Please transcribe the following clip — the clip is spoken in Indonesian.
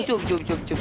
cukup cukup cukup